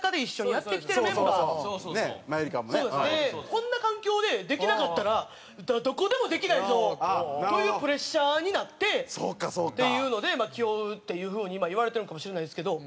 こんな環境でできなかったらどこでもできないぞというプレッシャーになってっていうので気負うっていう風に今言われてるのかもしれないですけど。